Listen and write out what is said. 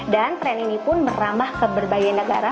dan tren ini pun berambah ke berbagai negara